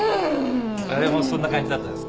あれもそんな感じだったんですか？